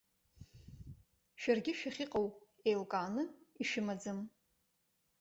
Шәаргьы шәахьыҟоу еилкааны ишәымаӡам.